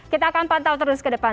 kita akan pantau terus ke depan